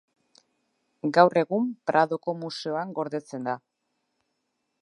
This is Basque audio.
Gaur egun Pradoko museoan gordetzen da.